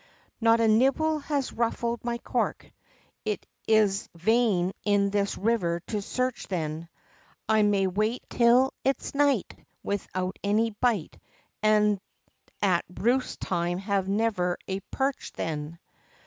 Not a nibble has ruffled my cork, It is vain in this river to search then; I may wait till it's night, Without any bite And at roost time have never a Perch then!